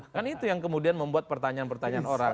kan itu yang kemudian membuat pertanyaan pertanyaan orang